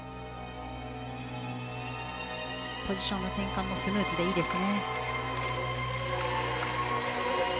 ポジションの転換もスムーズでいいですね。